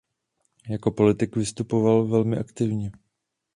Jako politik vystupoval velmi aktivně.